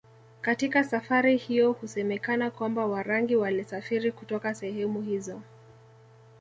Katika safari hiyo husemekana kwamba Warangi walisafiri kutoka sehemu hizo